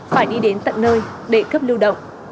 phải đi đến tận nơi để cấp lưu động